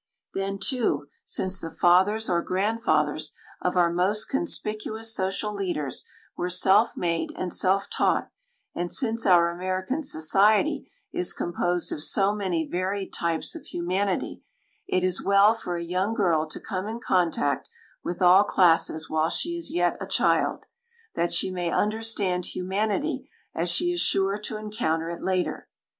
Then, too, since the fathers or grandfathers of our most conspicuous social leaders were self made and self taught, and since our American society is composed of so many varied types of humanity, it is well for a young girl to come in contact with all classes while she is yet a child, that she may understand humanity as she is sure to encounter it later.